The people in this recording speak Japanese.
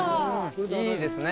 いいですね。